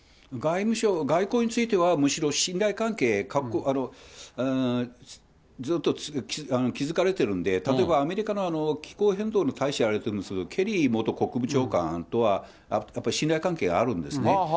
外交については、むしろ信頼関係、ずっと築かれてるんで、例えばアメリカの気候変動の大使やられてるケリー元国務長官とは、やっぱり信頼関係があるんですね。